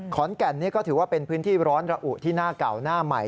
ขอนแก่นนี่ก็ถือว่าเป็นพื้นที่ร้อนระอุที่หน้าเก่าหน้าใหม่